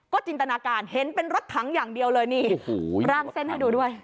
จินตนาการเห็นเป็นรถถังอย่างเดียวเลยนี่ร่างเส้นให้ดูด้วย